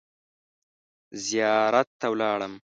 زیارت ته ولاړم.